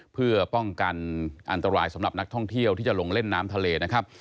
เพื่อป้องกันอันตรายสำหรับนักท่องเที่ยวที่จะลงเล่นน้ำทะเลนะครับ